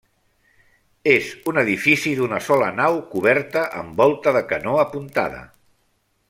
És un edifici d'una sola nau coberta amb volta de canó apuntada.